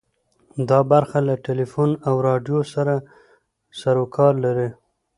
دا برخه له ټلیفون او راډیو سره سروکار لري.